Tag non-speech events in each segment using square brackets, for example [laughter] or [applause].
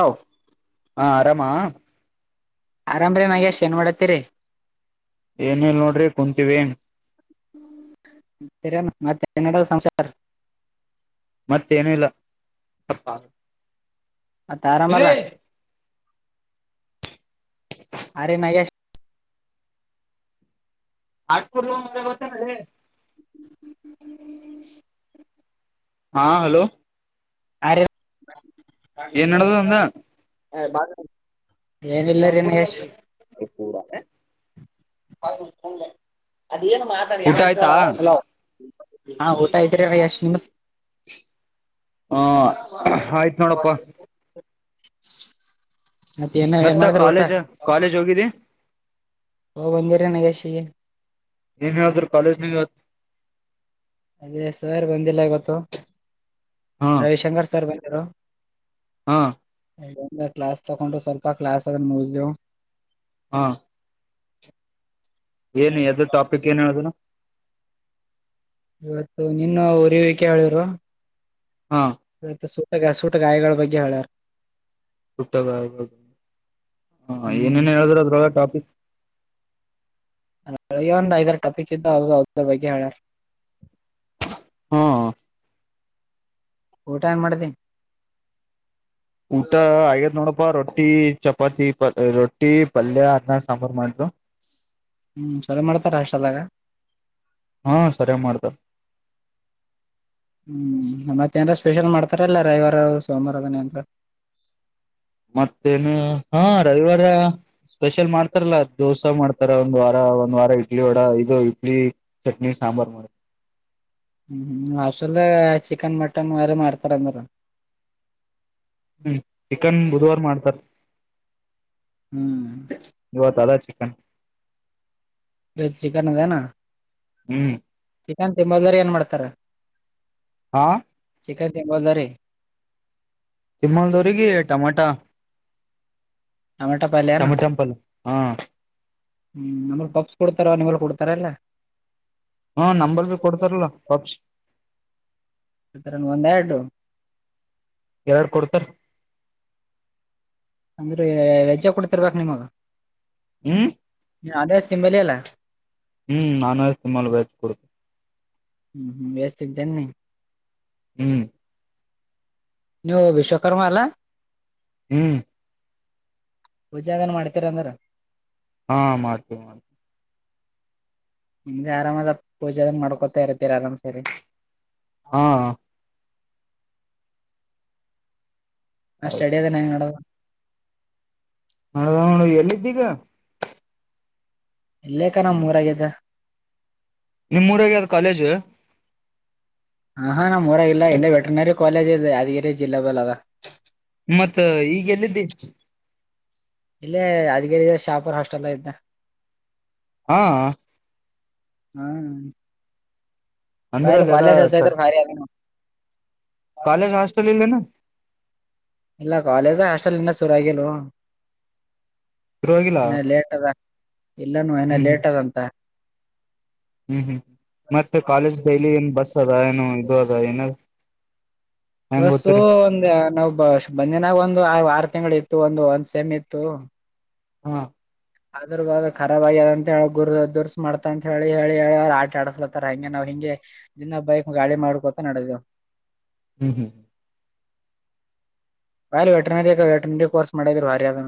How ಹಾ ಆರಾಮಾ ಆರಾಮ್ರೀ ನಾಗೇಶ್ ಮಾಡಡತ್ತೀರಿ ಏನಲ್ ನೋಡ್ರಿ ಕುಂತವಿ ಉತ್ತರ ಮತ್ತೆನ್ನಡ ಸಂಸಾರ್ ಮತ್ತೇನಿಲ್ಲ ಮತ್ತ ಆರಾಮಲ ಅರೆ ನಗೆ ಆಟ್ಸ ರಪ ಮ ಬತ್ತನ ರ ಹ ಹಾ ಹಲೋ ಆ ಏನ್ ನಡದ ಅಂದ ಏನಲ್ಲ ಪೂರ ಅದೇಏನು ಮಾತಾಡಿ ಊಟ ಆಯ್ತಾ ಹಾ ಊಟ ಐತ್್ರರಿ ರೀ ಅಷ್ಟ್ ನಿಮತ್ [unintelligible] ಹಾ ಆಯ್ತ ನೋಡಪ್ಪಾ ಮತ್ತೆ ಏನ ಏನ್ ಮತ್ತ ಮಾಡತಾರ ಊಟ ಕಾಲೇಜ್ ಕಾಲೇಜ್ ಹೋಗಿದಿ ಹ ಭಂದರಣ ಕಷ ಏನ್ ಹೇಳತ ಕಾಲೇಜ್ ನೀ ಹತ್ ಅದೇ ಸರ್ ಬಂದಿಲ್ಲ ಇವತ್ತು ಹಾ ರವಿಶಂಕರ್ ಸರ್ ಬಂದರು ಹಾ ಒಂದ ಕ್ಲಾಸ್ ತಕೊಂಡು ಸ್ವಲ್ಪ ಕ್ಲಾಸ್ ಅದ ಮುಗ್ದವು ಹಾ [inaudible] ಏನು ಎದ್ರ ಟಾಪಿಕ್ ಏನ್ ಹೇಳೋುದು್ ಇವತ್ತು ನೀನು ಉರಿವಿಕೆ ಹೇಳಿರು ಹಾ ಇವತ್ತು ಸೂಟ ಗಾಯಗಳ ಬಗ್ಗೆ ಹೇಳ್ಯಾರ ಹುಟ್ಟ ಹ ಹ್ಮ್ ಏನೇನ್ ಹೇಳುದ್ರ ಅದ್ರೊ ಟಾಪಿಕ್ ಒಂದು್ ಐದರ ಟಾಪಿಕ್ ಇದ್ದ ಅವ ಅವದ್ರ ಬಗ್ಗೆ ಹೇಳಾರ ಹಾ ಊಟ ಹೆಂಗ ಮಾಡ್ದ ಊಟ ಆಗೇತ್ ನೋಡಪ್ಪಾ ರೊಟ್ಟ ರಟ್ಟಿ ಚಪಾತಿ ರೊಟ್ಟಿ ಪಲ್ಯ ಅದನ್ನ ಸಾಂಬಾರು ಮಾಡ್ರು ಹ್ಮ್ ಚಲ ಮಾಡ್ತಾರ ಶಾಲಾಗ ಹಾ ಸರ್ಯಾಗ್ ಮಾಡ್ದ ಹ್ಮ್ ಮತ್ತೇಂದ್ರ ಸ್ಪೆಷಲ್ ಮಾಡ್ತಾರಲ್ಲ ರವಿವಾರ ಸೋಮವಾರದನ ಅಂದ್ರ ಮತ್ತೇನು ಹಾ ರವಿವಾರ ಸ್ಪೆಷಲ್ ಮಾಡ್ತಾರಲ್ಲ ದೋಸಾ ಮಾಡ್ ಆತರ ಒಂದ್ ವಾರ ಒಂದ್ ವಾರ ಇಡ್ಲಿ ವಡಾ ಇದು ಇಡ್ಲಿ ಚಟ್ನಿ ಸಾಂಬಾರ್ ಮಾಡ ಹ್ಮ್ ಹಸಲ್ ಚಿಕನ್ ಮಟನ್ ವಾರ ಮಾಡ್ತಾರಂದ್ರ ಹ್ಮ್ ಚಿಕನ್ ಬುಧವಾರ್ ಮಾಡ್ತಾರ್ ಹ್ಮ್ ಇವತ್ ಅದ ಚಿಕನ್ ಚಿಕನ್ ಅದೇನಾ ಹ್ಮ್ ಚಿಕನ್ ತಿಂಬದರಿ ಏನ್ ಮಾಡ್ತಾರ ಹಾ ಚಿಕನ್ ತಿನ್ನಬಹುದ ರಿ ತಿಮ್ಮೊಂದರಿ ಟಮಾಟ- ಟೊಮೆಟೊ ಪಲ್ಯ ಏನ ಟಮಟಪಲ್ ಹಾ ಹ್ಮ್ ನಮಗ್ ಪಬ್ಸ್ ಕೊಡ್ತಾರ ನಿವಲ್ ಕೊಡ್ತಾರಲ್ಲ ಹಾ ನಂಬರ್ ಭ ಕೊಡ್ತಾರಲ್ಲ ಪಪ್ಸ್ ಇತರ ಒಂದೆರಡು ಎರಡು ಕೊಡ್ತಾರ ಅಂದ್ರೆ ವೆಜ್ಜ ಕೂಡತಿರ್ಬೇಕ್ ನಿಮಗ ಹ್ಮ [unintelligible] ನೀ ಅದಸ್ತಿಮ್ಮಂಬಳಿ ಅಲ್ಲ ಹ್ಮ್ [unintelligible] ನಾನು ಸುಮ್ಮಾಲ ಬಯತು ಕೊಡ್ತೇನೆ ಹ್ಮ್ ಹ್ಮ್ [unintelligible] ವ್ಯಸ್ಥ ನ್ ಹ್ಮ್ ನೀವು ವಿಶ್ವಕರ್ಮ ಅಲ್ಲ ಹ್ಮ್ ಪೂಜೆಗನ್ ಮಾಡ್ತೀರ ಅಂದ್ರ ಹಾ ಮಾಡ್ತೀವಿ ಮಾಡ್ತೀವಿ ನಿಮ್ದೆ ಆರಾಮದ ಪೂಜೆ ಅನ್ ಮಾಡ್ಕೊತಾ ಇರ್ತೀರ ಆರಾಮ್ ಸರಿ ಹಾ ಅ ಹಾ ಆಯ್ತು ಸ್ಟಡಿ ಅದೇ ನ ನಡ ಅ ಎಲ್ಲಿದ್ದೀಗ ಇಲ್ಲೇ ಕಣ ಮೂಊರಾಗಿದ್ದ ನಿಮ್ಮ್ ಊರಾಗ ಅದ ಕಾಲೇಜು ಹಾ ಹಾ ನಮ್ಮ್ಊರಗ ಇಲ್ಲ ಎಂಡ ವೆಟರ್ನರಿ ಕಾಲೇಜ್ ಇದೆ ಯಾದಗಿರಿ ಜಿಲ್ಲೆ ಬಲ್ಲ ಅದ ಮತ್ತ ಈಗ ಎಲ್ಲಿದ್ದಿ ಇಲ್ಲೇ ಅದಗರಿ ಶಾಪರ್ ಹಾಸ್ಟೆಲ್ ಇದ್ದೆ ಹಾ ಅ ಹ್ಮ [unintelligible] [unintelligible] ಅಂದ್ರ ಬಯಲ್ ಅಲ್ಲೆಲ್ಲಾ ಸರ್ ಕಲ್ಸಸತ ಹರಿ ಆಲ್ಲ ಕಾಲೇಜ್ ಹಾಸ್ಟೆಲ್ ಇಲ್ಲ ನ ಇಲ್ಲ ಕಾಲೇಜ ಹಾಸ್ಟೆಲ್ ಇಲ್ಲ ಶುರಗಿಲೊ ಶುರು ಆಗಿಲ್ಲ ಇನ ಲೇಟ್ ಅದ ಇಲ್ಲನು ನ ಹ್ಮ್ ಹ್ಮ್ ಲೇಟ್ ಅದಂತ ಹ್ಮ್ ಹ್ಮ್ ಮತ್ತೆ ಕಾಲೇಜ್ ಡೈಲಿ ಏನ್ ಬಸ್ ಅದ ಏನೋ ಇದು ಅದ ಏನ ಹೆಂಗ ಬಸ್ಸು ಗೊತ್ತಿರಿ ಒಂದ್ ನಾವು ಬ ಬನ್ನನಾಗ ಒಂದು ವಾರ್ ತಿಂಗಳ ಇತ್ತು ಒಂದು ಒಂದ್ ಸೆಮ್ ಇತ್ತು ಹಾ [unintelligible] ಅದ್ರ ಬ ಅ ರಬ್ ಆಗ್ಯದ ಅಂತ ಹೇಳ ಗುರು ದುರ್ಸ ಮಾಡ್ತ ಅಂತ ಹೇಳಿ ಹೇಳಿ ಹೇಳ ಅವ್ ಆಟ ಆಡಸ್ಲತ್ತಾರ ಹಂಗೆ ನಾವ್ ಹಿಂಗ ನಿಂಗೆ ದಿನ ಬೈಕ್ ಗಾಡಿ ಮಾಡ್ಕೊತ ನಡೆದುವು ಹ್ಮ್ ಹ್ಮ್ ಬಾರಿ ವೆಟನರಿ ವೆಟನರಿ ಕೋರ್ಸ್ ಮಾಡಿದ್ರ ಭಾರಿ ಅದ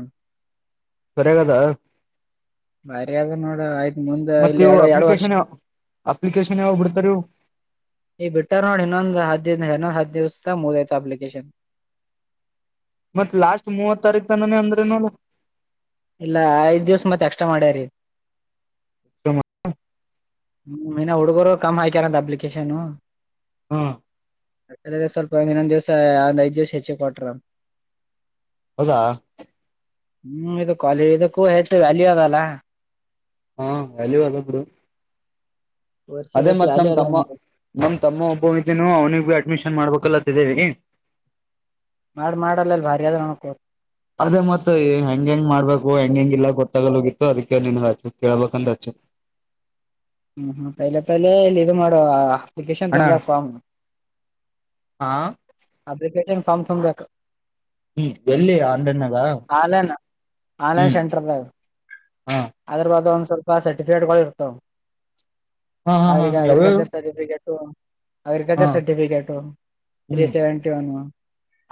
ಸರಿಗದಾ ಬರ ಅದ ನೋಡ ಆಯ್ತ ಮುಂದೆ ಮತ್ತ ಇಲ್ಲಿ ಇವು ಎರಡು ಎರಡು ವರ್ಷ ಅಪ್ಲಿಕೇಶನ್ ಅಪ್ಲಿಕೇಶನ್ ಯಾವಾಗ ಬಿಡ್ತಾರ ಇವು ಈ ಬಿಟ್ಟರ್ನೋಡ್ ಇನ್ನೊಂದು ಹೆನೊ ಹ ದ್ಯಸ್ಥ ಮುದೈಿತ ಅಪ್ಲಿಕೇಶನ್ ಮತ್ತ್ ಲಾಸ್ಟ್ ಮೂವತ್ ತಾರೀಕ್ ತನಾನ ಅಂದ್ರೆ ನೋಡು ಇಲ್ಲ ಐದ್ ದಿವ್ಸ ಮತ್ತ ಎಕ್ಸ್ಟ್ರಾ ಮಾಡ್ಯಾರಿೀ ಹ ಹ್ಮ್ ಇನ ಹುಡುಗರು ಕಮ್ಮ್ ಹಯಕ್ಯಾರಂತ ಅಪ್ಲಿಕೇಶನು ಹ್ಮ ಅ ಸ್ವಲ್ಪ ಒಂದ್ ಇನ್ನೊಂದ್ ದಿವ್ಸ ಒಂದ್ ಐದ್ ದಿವ್ಸ ಹೆಚ್ಚಿ ಕೊಟ್ರ ಹೌದಾ ಹ್ಮ್ ಇದು ಕ್ವಾಲಿಟಿ ಇದಕ್ಕೂ ಹೆಚ್ಚು ವ್ಯಾಲ್ಯೂ ಅದಲ್ಲ ಹಾ ಅಲ್ಲಿವಲ್ಲರು ಕೋರ್ಸ್ ಅದೇ ಹೆಚ್ಚು ಮತ್ ನಮ ವ್ಯಾಲ್ಯೂ ಅದ ತಮ್ಮ ನಮ ತಮ್ಮ ಒಬ್ಬನಿದ್ದೇನು ಅವನಿಗೆ ಭ ಅಡ್ಮಿಷನ್ ಮಾಡ್ಬೇಕಲ್ಲತ್ತಿದ್ದೇವಿ ಮಾಡ ಮಾಡಲ್ಲ ಅಲ್ ಬಾರಿ ಆದಾದ್ರೂ ನಣಕೋರಿ ಅದೇ ಮತ್ತತ್ ಹೆಂಗ ಹೆಂಗ್ ಮಾಡ್ಬೇಕು ಹೆಂಗ ಹೆಂಗ ಇಲ್ಲ ಗೊತ್ತಾಗಲ್ ಹೋಗಿ ಅದಕ್ಕೆ ನಿ ರಾಜು ಕೆೇಳ ಬಖಂಡ ಹ ಹ್ಮ್ ಹ್ಮ ತೈಲೆ ತೈಲೆ ಇಲ್ಲಿ ಇದು ಮಾಡುವ ಅಪ್ಲಿಕೇಶನ್ ಅಣ್ಣ ತೊಂದಾಗ ಫಾರ್ಮ್ ಹಾ ಅದಸ ಹ್ಮ್ ಎಲ್ಲಿ ಆನ್ಲೈನ್ಗ ಆನ್ಲೈನ್ ಆನ್ಲೈನ್ ಹ್ಮ್ ಸೆಂಟರ್ ಹಾ ಅದ್ರ ಬ ಒಂದ್ ಸ್ವಲ್ಪ ಸರ್ಟಿಫಿಕೇಟ್ಗಳು ಇರ್ತಾವ ಹಾ ಹಾ ಹಾ ಅ್ರ ಯಾವ್ಯಾವ ಅಗ್ರಿಕಲ್ಚರ್ ತ ಹಾ ಅಗ್ರಿಕಲ್ಚರ್ ಸರ್ಟಿಫಿಕೇಟ್ ತ್ರೀ ಹ್ಮ್ ಸೆವೆಂಟಿ ಒನ್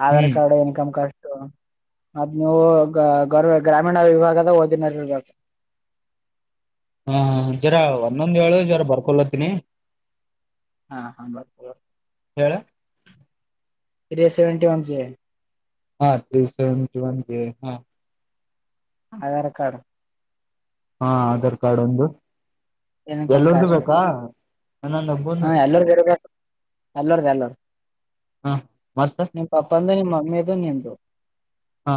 ಆಧಾರ್ ಹ್ಮ್ ಕಾರ್ಡ್ ಇನ್ಕಮ್ ಕಾರ್ಡ್ ಅದ್ ನೀವು ಗ ಗ್ರಾಮೀಣ ವಿಭಾಗದಾಗ ಓದಿನರಿ ಇರ್ [inaudible] [unintelligible] ಹಾ ಜರ ಒಂದೊಂದ್ ಏಳು ಜರ ಬರ್ಕೊಲತ್ತನಿ ಹಾ ಹಾ ಬ ೀ ಸೆವೆಂಟಿ ಒನ್ ಜ ಹಾ ದಸಚಂತಂತ ಹಾ ಆಧಾರ್ ಕಾರ್ಡ್ ಹಾ ಆಧಾರ್ ಕಾರ್ಡ್ ಒಂದು ಇನ್ಕಮ್ ಎಲ್ಲರ್ದು ಕಾಸ್ಟ್ ಬೇಕಾ ಹಾ ನನ್ನೊಬ್ಬನು ಎಲ್ಲಗ ಎಲ್ಲರ್್ದ ಎಲ್ಲರ್ ಹ ಮತ್ತ ನಿ ಪಪ್ಪ ಅಂದ ನಿಮ್ಮ ಮಮ್ಮಿದೋ ನಿಂತ ಹಾ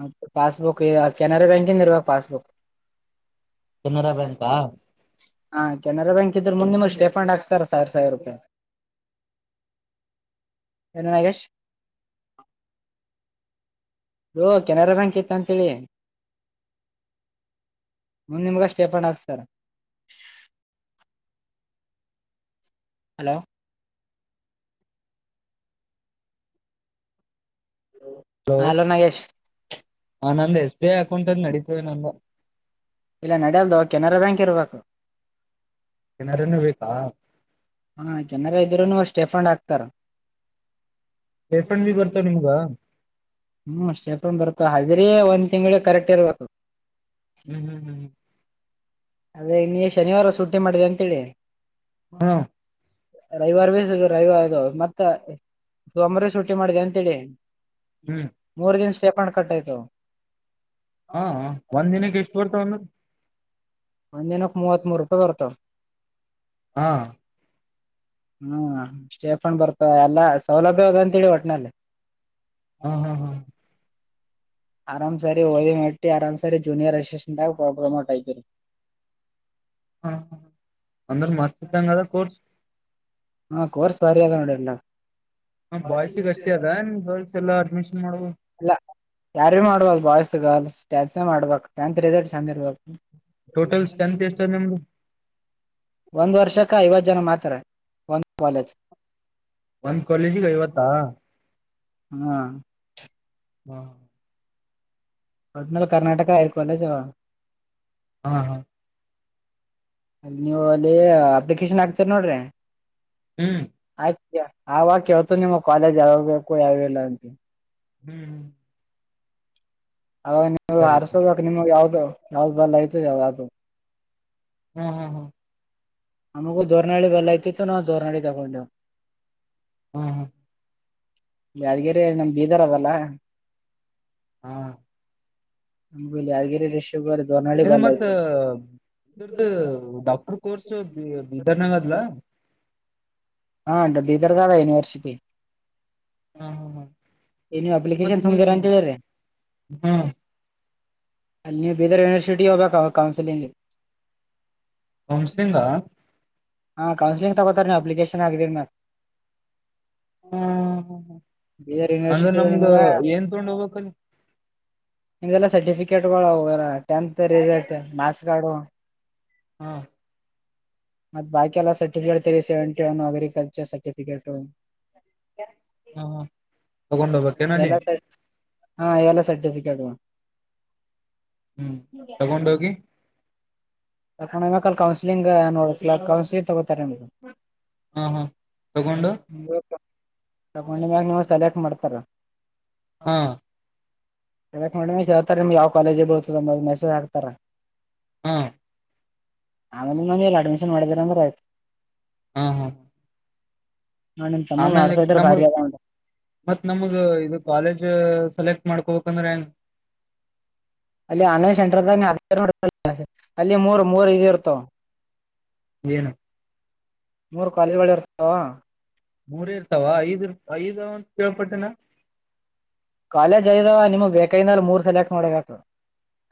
ಮತ್ತೆ ಪಾಸ್ಬುಕ್ ಕೆನರ ಗ್ಯಾಂಕಿಂದ ಇರ್ರುವಾಗ ಪಾಸ್ಬುಕ್ ಕೆನರಾ ಬ್ಯಾಂಕಾ ಹಾ ಕೆನರಾ ಬ್ಯಾಂಕ್ ಇದ್ರರು ಮುಂದಮಷ್ಟ ರೇಫಂಡ್ ಹಾಕ್ಸ್ತಾರ ಸಾವಿರ ಸಾವಿರ ರೂಪಾಯಿ ನು ನಾಗೇಶ್ ಅೋ ಕೆನರಾ ಬ್ಯಾಂಕ್ ಇತ್ತ ಅಂತೇಳಿ ಒಂದ ನಿಮ್ಗಷ್ಟೇಪಣ್ ಹಾಕ್ತಾರ ಹಲೋ ಹ ಅಲೋ ನಾಗೇಶ್ ಹ ನಂದು ಎಸ್ ಬಿ ಐ ಅಕೌಂಟ್ ಅಂದ ನಡೀತೇವೆ ನಂದು ಇಲ್ಲ ನಡ್ಯಲ್ದು ಕೆನರಾ ಬ್ಯಾಂಕ್ ಇರ್ಬೇಕು ಏನಾರನ್ನು ಬೇಕಾ ಹಾ ಜನರ ಇದ್ರುನು ಅಷ್ಟ ರೇಫಂಡ್ ಹಾಕ್ತಾರ ವೇಪಣ ಭ ಬರ್ತಾವ ನಿಮ್ಗ ಹ್ಮ್ ಸೇಪಂದ್ ಬರ್ತ ಹ್ರ ಒಂದ್ ತಿಂಗ್ಳ ಕರೆಕ್ಟ್ ಇರ್ಬೇಕು ಹ್ಮ್ ಹ್ಮ್ ಹ್ಮ್ ಅದೇ ನೀ ಶನಿವಾರ ಶುಟಿ ಮಾಡಿದೆ ಅಂತೇಳಿ. ಹ್ಮ ರವಿವಾರ ಭ ರವಿವಾರದು ಮತ್ತ ಸೋಮಾರ ಸುಟ್ಟಿ ಮಾಡಿದೆ ಅಂತೇಳಿ. ಹ್ಮ್ ಮೂರ್ ದಿನ್ ಸ್ಟೇಪಂಡ ಕಟ್ಟಾಯ್ತು. ಹಾ ಹ ಒಂದ್ ದಿನಕ್ಕೆ ಎಷ್ಟು ಬರ್ತಾವಂದ್ರಿ. ಒಂದಿನಕ್ಕ್ ಮೂವತ್ಮೂರು ರೂಪಾಯಿ ಬರ್ತಾವ. ಆ ಹ್ಮ್ ಸ್ಟೇಫಂಡ್ ಬರ್ತ ಎಲ್ಲಾ ಸೌಲಭ್ಯ ಅದ ಅಂತೇಳಿ ಒಟ್ನಲ್ಲಿ. ಹ ಹ ಹ ಆರಾಮ್ ಸರಿ ಹೊಯ ಮಟ್ಟಿ ಆರಾಮ್ಸರಿ ಜೂನಿಯರ್ ಅಸಿಸ್ಟೆಂಟ್ ಆಗಿ ಪ್ರಾಬ್ಲಮೋಟ್ ಆಐತರಿ. ಹ ಅಂದರ ಮಸ್ತ್ ಇದಂಗದ ಕರ್ಸ್. ಹಾ ಕೋರ್ಸ್ ಬರಾಅದ ನೋಡಯಲ್ಲ. ಹ ಬಾಯ್ಸಿಗೆ ಅಷ್ಟೇ ಅದ ನಿಮ ಗರ್ಲ್ಸ್ ಎಲ್ಲಾ ಅಡ್ಮಿಷನ್ ಮಾಡ ಇಲ್ಲ ಯಾರು ಮಾಡ್ಬೋದು ಬಾಯ್ಸ್ ಗರ್ಲ್ಸ್ ಕಲಸಿ ಮಾಡ್ಬೇಕು ಟೆಂತ್ ರಿಸಲ್ಟ್ ಚಂದ ಇರ್ಬೇಕು. ಟೋಟಲ್ ಸ್ಟ್ರೆಂತ್ ಎಷ್ಟು ಅದ ನಿಮ್ದು. ಒಂದ್ ವರ್ಷಕ್ಕ ಐವತ್ತು ಜನ ಮಾತ್ರಾ ಒಂದ ಕಾಲೇಜ. ಒಂದ್ ಕಾಲೇಜಿಗ ಐವತ್ತಾ. ಹ್ಮ ಹಾ ಒಟ್ನಲ್ ಕರ್ನಾಟಕ ಐದ್ ಕಾಲೇಜ ಅವ. ಹಾ ಹಾ ನೀವು ಅಲ್ಲಿ ಅಪ್ಲಿಕೇಶನ್ ಹಾಕ್ತೀರಿ ನೋಡ್ರಿ. ಹ್ಮ್ ಆವಾಗ ಕೇಳ್ತು ನಿಮ್ಮ ಕಾಲೇಜ್ ಯಾವ್ಬೇಕು ಯಾವಿಲ್ಲ ಅಂತ. ಹ್ಮ್ ಹ್ಮ. ಅವಾಗ ನಿ ಸರಿ ಹರ್ಸೋಬೇಕ್ ನಿಮ್ಗೆ ಯಾವ್ದ ಯಾವ್ದ್ ಬಲ್ಲ ಆಯ್ತು ಯಾವ್ದ್ ಅತು. ಹ್ಮ್ ಹ್ಮ್ ಹ್ಮ್ ನಮಗ ದೋರ್ನಾಳಿ ಬಲ್ಲ ಐತಿತ್ತು ನಾವು ದೋರ್ನಳಿಗ್ ತಗೊಂಡೆವು. ಅಹ್ಮ ಹ ಯಾದಗಿರಿ ನಮ್ ಬೀದರ್ ಅದಲ್ಲ. ಹಾ ನಮಗೆ ಯಾದಗಿರಿ ಡಿಸ್ ಇದು ಮತ್ತ. ಇದರದು ಡಾಕ್ಟರ್ ಕೋರ್ಸ್ ಬೀದರ್ನಾಗದಲ. ಹಾ ಭೀದರ್ದಾಗ ಯೂನಿವೇರ್ಸಿಟಿ. ಹಾ ಹಾ ಹಾ ಇನು ಮತ್ ಅಪ್ಲಿಕೇಶನ್ ನೀ ತುಂಬಿರಂತೇಳಿ. ಹಾ ಅಲ್ಲಿ ಬೀದರ್ ಯೂನಿವೇರ್ಸಿಟಿ ಹೋಗಬೇಕಾ ಆಗ ಕೌನ್ಸಲಿಂಗ್ಗೆ. ಕೌನ್ಸಿಲಿಂಗ್. ಹಾ ಕೌನ್ಸ್ಲಿಂಗ್ ತಗೋತಾರೆ ನೀವು ಅಪ್ಲಿಕೇಶನ್ ಆಗಿದೀರಿ ಮೆಲೆ. ಹ್ಮ ಹ್ಮ ಹ್ಮ ಅಂದ್ರೆ ಯೂನಿವರ್ಸಿಟಿ ನಮ್ದು ನಿಮ್ಗ ಏನ್ ತೊಂಡ್ ಹೋಗಬೇಕ್ ಅಲ್ಲಿ. ನಿಮ್ದೆಲ್ಲ ಸರ್ಟಿಫಿಕೇಟ್ಗಳು ಅವೆರ ಟೆಂತ್ ರಿಸಲ್ಟ್ ಮಾರ್ಕ್ಸ್ ಕಾರ್ಡ್. ಹಾ ಮತ್ತ ಬಾಕ ಎಲ್ಲ ಸರ್ಟಿಫಿಕೇಟ್ ತೆಗಿಸೆವೆಂಟಿ ಅಗ್ರಿಕಲ್ಚರ್ ಸರ್ಟಿಫಿಕೇಟ್ ಕೆಳ್ತಾರ. ಹಾ ತಗೊಂಡ ಹೋಗಬೇಕುನಲ್ಲಿ. ಎಲ್ಲ ಹಾ ಎಲ್ಲಾ ಸರ್ಟಿಫಿಕೇಟ್ಗಳು. ಹ್ಮ್ ತಗೊಂಡ ಹೋಗಿ. [unintelligible] ಕೌನ್ಸಿಲಿಂಗ್ ನೋಡ ಕೌನ್ಸಲಿಂಗ ತಗೋ ತರೆಂಬುವುದು ಹ ಹಾ ತಗೊಂಡು ತಗೊಂಡ ಮಾಗ ನೀವು ಸೆಲೆಕ್ಟ್ ಮಾಡ್ತಾರ ಹಾ ಕೇಳಕ್ ಮಮ ಹೇಳ್ತಾರೆ ನಿಮ್ಗೆ ಯಾವ ಕಾಲೇಜ ಬರ್ತದ ನ ಮೆಸೇಜ್ ಹಾಕ್ತಾರ ಹಾ ಆಮೇಲೆ ನಂದ ಎಲ್ಲ ಅಡ್ಮಿಷನ್ ಮಾಡಿದರ ಅಂದ್ರೆ ಆಯ್ತು ಹಾ ಹಾ ನೋಡ್ ನಿಮ್ ತಮ್ಮ ಆಮೇಲೆ ಮಾಡ್ಸಾ ಇದ್ರ ನಮ ಭಾರಿ ಅದ ನೋಡ್ ಮತ್ ನಮಗ ಇದು ಕಾಲೇಜ್ ಸೆಲೆಕ್ಟ್ ಮಾಡ್ಕೋಬೇಕಂದ್ರೆ ಏನ್ ಅಲ್ಲಿ ಆನ್ಯ ಸೆಂಟರ್ಾಗ ಅಲ್ಲಿ ಮೂರ್ ಮೂರ್ ಇದ ಇರ್ತ ಣ ಏನು ಮೂರ್ ಕಾಲೇಜ್ಗಳು ಇರ್ತಾವ ಮೂರೇ ಇರ್ತಾವ ಐದ್ ಐದ ಕೇಳ್ಪಟ್ಟಿನ ಕಾಲಜ್ ಐದು ಆವ್ ನಿಮಗೆ ಬೇಕೈನಲ್ಲಿ ಮೂರು ಸಲೆಯಾಕ್ ಮಾಡಬೇಕು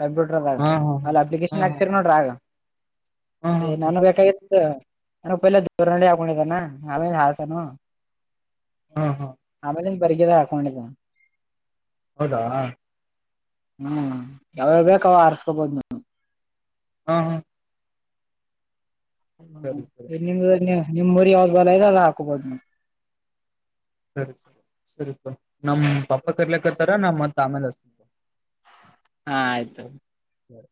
ಕಂಪ್ಯೂಟರ್ದಾಗ ಹಾ ಅಲ್ಲಿ ಹಾ ಹಾ ಅಪ್ಲಿಕೇಶನ್ ಹಾಕ್ತಿೀರಿ ನೋಡ್ರಿ ಆಗ ಹಾ ಏ ಹಾ ಹಾ ನಾನು ಬೇಕಾಗಿತ್ತು ನ ಪ ದೂರ್ನಡಿ ಹಾಕೊಂಡಿದ್ದಾನ ಆಮೇಲೆ ಹಾಸ ನು ಹಾ ಹಾ ಬರ್ಗದ ಹಾಕೊಂಡಿದ್ದ ಹೌದಾ ಹ್ಮ್ ಯಾವಾವ ಬೇಕು ಅವ ಆರ್ಸ್ಕೊಬೋದು ನು ಹಾ ಹಾ ಸರಿ ಸರಿ ಹ ನಿಮ್ದ ನಿಮ್ ಊರಿ ಯಾವ್ದ್ ಬಲ ಇದೆ ಅದ ಹಾಕೋಬೋದು ನೀ್ ಸರಿ ಸರಿ ಸರಿ ಸ ನಮ್ ಪಾಪ ಕರ್ಲಕ್ತಾರ ನಮ್ಮ್ ಮತ್ ಆಮೇಲೆ ಹಾ ಆಯ್ತು ಹ್ಮ